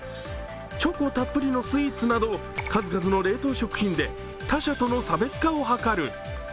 チョコたっぷりのスイーツなど数々の冷凍食品で他社との差別化を図る。